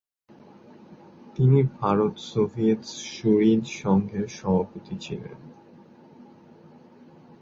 তিনি ভারত-সোভিয়েত সুহৃদ সংঘের সভাপতি ছিলেন।